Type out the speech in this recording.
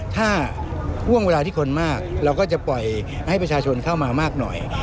ถ้าห่วงเวลาที่คนมากเราก็จะปล่อยให้ประชาชนเข้ามามากหน่อย